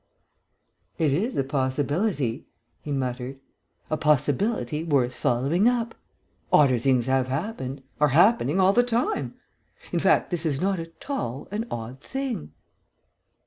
"It is a possibility," he muttered. "A possibility, worth following up.... Odder things have happened ... are happening, all the time.... In fact, this is not at all an odd thing...."